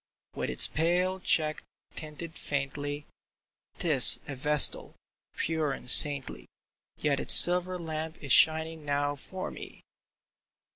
'' With its pale cheek tinted faintly, 'Tis a vestal, pure and saintly, Yet its silver lamp is shining now for me